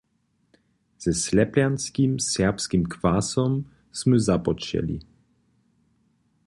Ze Slepjanskim serbskim kwasom smy započeli.